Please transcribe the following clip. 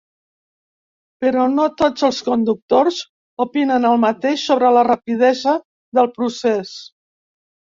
Però no tots els conductors opinen el mateix sobre la rapidesa del procés.